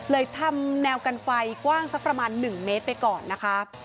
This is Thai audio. ทำแนวกันไฟกว้างสักประมาณ๑เมตรไปก่อนนะคะ